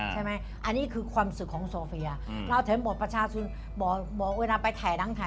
ใช่ไหมอันนี้คือความสุขของโซเฟียเราเห็นบทประชาชนบอกเวลาไปถ่ายหนังถ่าย